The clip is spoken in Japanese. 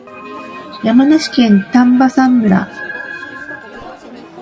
山梨県丹波山村